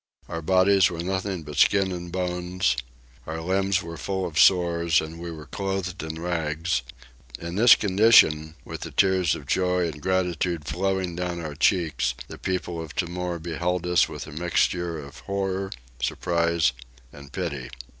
Our bodies were nothing but skin and bones, our limbs were full of sores, and we were clothed in rags: in this condition, with the tears of joy and gratitude flowing down our cheeks, the people of Timor beheld us with a mixture of horror, surprise, and pity.